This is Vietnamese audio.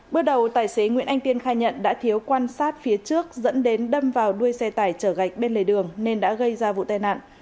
bước đầu tài xế nguyễn anh tiên khai nhận đã thiếu quan sát phía trước dẫn đến đâm vào đuôi xe tải chở gạch bên lề đường nên đã gây ra vụ tai nạn